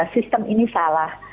sistem ini salah